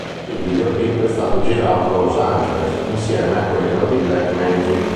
Il videoclip è stato girato a Los Angeles, insieme a quello di "Black Magic".